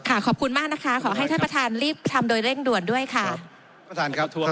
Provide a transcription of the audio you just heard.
ขอบคุณมากนะคะขอให้ท่านประธานรีบทำโดยเร่งด่วนด้วยค่ะ